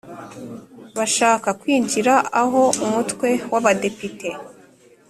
bashaka kwinjira aho Umutwe w Abadepite